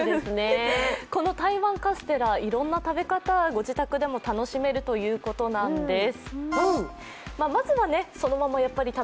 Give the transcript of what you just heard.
この台湾カステラ、いろんな食べ方を御自宅でも楽しめるということなんです。